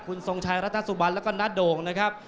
คุณทรงชัยรัตนสุบันแล้วก็น้าโด่งนะครับ